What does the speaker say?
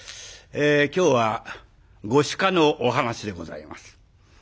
今日は御酒家のお噺でございます。